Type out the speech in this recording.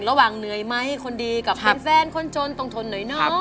ระหว่างเหนื่อยไมค์คนดีกับเป็นแฟนคนจนต้องทนหน่อยน้อง